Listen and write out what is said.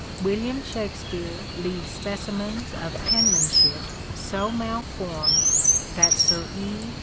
William Shakspere leaves specimens of penmanship so malformed that Sir E.